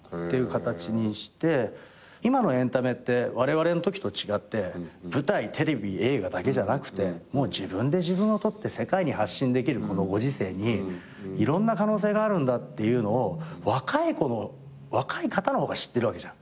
今のエンタメってわれわれのときと違って舞台テレビ映画だけじゃなくてもう自分で自分を撮って世界に発信できるこのご時世にいろんな可能性があるんだっていうのを若い方の方が知ってるわけじゃん。